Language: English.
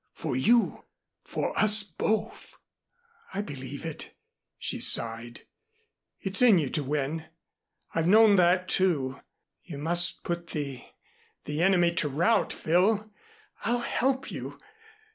For you for us both." "I believe it," she sighed. "It's in you to win. I've known that, too. You must put the the Enemy to rout, Phil. I'll help you.